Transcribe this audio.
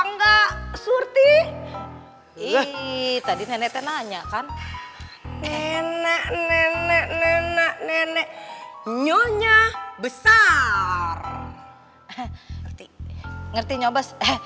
enggak suti ih tadi neneknya nanya kan nenek nenek nenek nenek nyonya besar ngerti nyobes eh